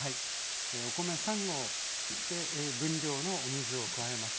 お米３合で分量のお水を加えます。